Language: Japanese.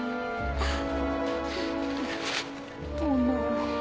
ハァ。